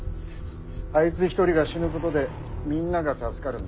あいつ一人が死ぬことでみんなが助かるんだ。